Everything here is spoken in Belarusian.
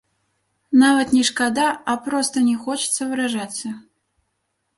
Нават не шкада, а проста не хочацца выражацца.